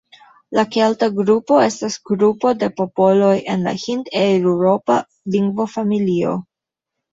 La kelta grupo estas grupo de popoloj en la hindeŭropa lingvofamilio.